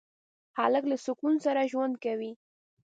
هلک له سکون سره ژوند کوي.